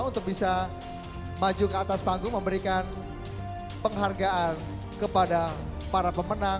untuk bisa maju ke atas panggung memberikan penghargaan kepada para pemenang